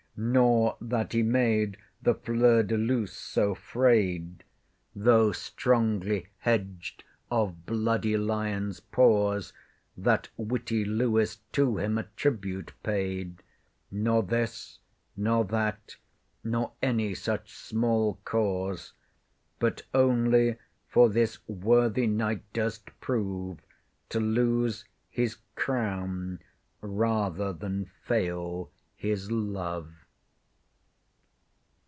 Nor that he made the Floure de luce so 'fraid, Though strongly hedged of bloody Lions' paws That witty Lewis to him a tribute paid. Nor this, nor that, nor any such small cause— But only, for this worthy knight durst prove To lose his crown rather than fail his love.